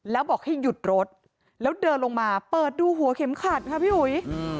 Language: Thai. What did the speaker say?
แล้วบอกให้หยุดรถแล้วเดินลงมาเปิดดูหัวเข็มขัดค่ะพี่อุ๋ย